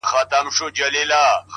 • په غومبرو په پرواز به وي منلي ,